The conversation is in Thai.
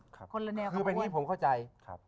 สักครั้งมีอีกอย่าง